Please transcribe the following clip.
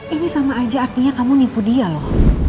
ini sama aja artinya kamu nipu dia loh